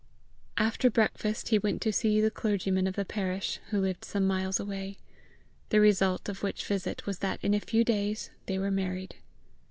After breakfast he went to see the clergyman of the parish, who lived some miles away; the result of which visit was that in a few days they were married.